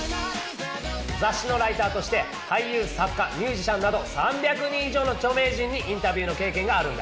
雑誌のライターとして俳優作家ミュージシャンなど３００人以上の著名人にインタビューの経験があるんだ。